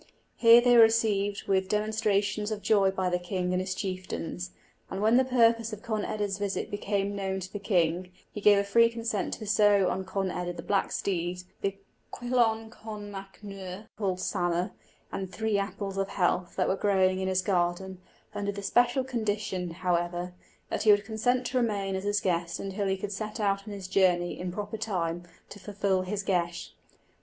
Here they were both received with demonstrations of joy by the king and his chieftains; and, when the purpose of Conn eda's visit became known to the king, he gave a free consent to bestow on Conn eda the black steed, the coileen con na mbuadh, called Samer, and the three apples of health that were growing in his garden, under the special condition, however, that he would consent to remain as his guest until he could set out on his journey in proper time, to fulfil his geis.